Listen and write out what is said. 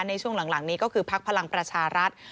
ในช่วงหลังนี้ก็คือพักพลังประชารัฐ